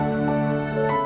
itu dia ya